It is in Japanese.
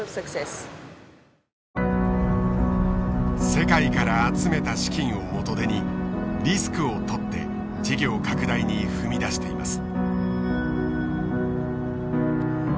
世界から集めた資金を元手にリスクをとって事業拡大に踏み出しています。